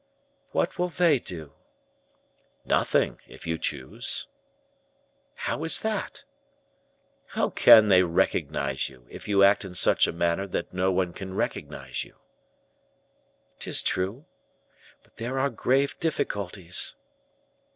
"What will they do?" "Nothing, if you choose." "How is that?" "How can they recognize you, if you act in such a manner that no one can recognize you?" "'Tis true; but there are grave difficulties."